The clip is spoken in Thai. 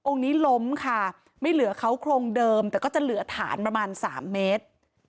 นี้ล้มค่ะไม่เหลือเขาโครงเดิมแต่ก็จะเหลือฐานประมาณ๓เมตร